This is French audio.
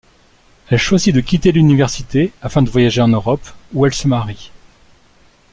Elle choisit de quitter l’université afin de voyager en Europe, où elle se marie.